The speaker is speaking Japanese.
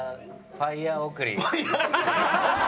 ファイヤー送り？